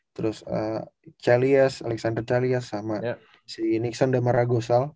terus alexander chalias sama nixon damaragosal